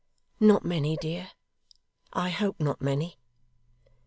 'Not many, dear. I hope not many.